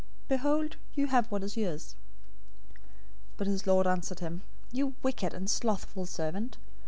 Behold, you have what is yours.' 025:026 "But his lord answered him, 'You wicked and slothful servant.